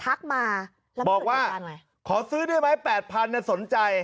ทักมาบอกว่าขอซื้อได้ไหม๘๐๐สนใจ